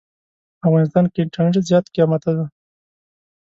په افغانستان کې انټرنيټ زيات قيمته دي.